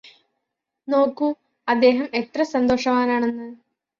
നോക്കൂ അദ്ദേഹം എത്ര സന്തോഷവാനാണെന്ന്